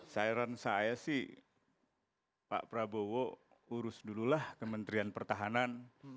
sirent saya sih pak prabowo urus dululah kementerian pertahanan